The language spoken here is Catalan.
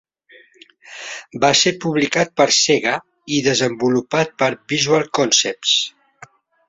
Va ser publicat per Sega i desenvolupat per Visual Concepts.